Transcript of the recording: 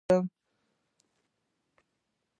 ایا پښې مو درد کوي کله چې ګرځئ؟